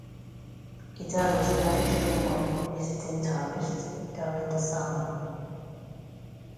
It has a steady stream of visiting tourists during the summer.